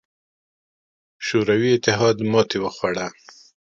شوروي اتحاد ماتې وخوړه.